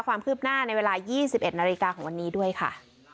ความคืบหน้าในเวลายี่สิบเอ็ดนาฬิกาของวันนี้ด้วยค่ะ